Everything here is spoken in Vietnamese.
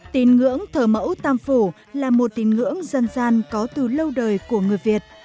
tín ngưỡng thờ mẫu tam phủ là một tín ngưỡng dân gian có từ lâu đời của người việt